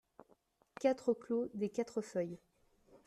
quatre clos des Quatre Feuilles